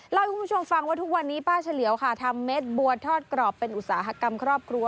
เล่าให้คุณผู้ชมฟังว่าทุกวันนี้ป้าเฉลียวค่ะทำเม็ดบัวทอดกรอบเป็นอุตสาหกรรมครอบครัว